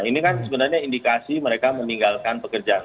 ini kan sebenarnya indikasi mereka meninggalkan pekerja